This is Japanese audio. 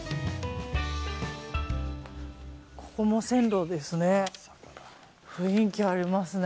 ここも線路ですね。